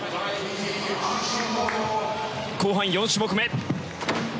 後半４種目。